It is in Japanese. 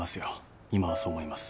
今はそう思います。